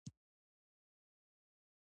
د بدخشان په یفتل پایان کې د سرو زرو نښې شته.